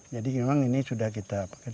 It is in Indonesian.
jadi memang ini sudah kita pakai